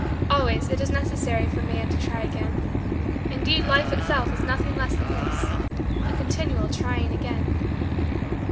Always, it is necessary for man to try again. Indeed Life itself is nothing less than this: a continual trying again.